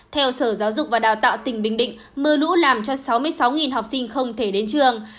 theo sở giáo dục và đào tạo tỉnh bình định mưa lũ làm cho sáu mươi sáu học sinh không thể đến trường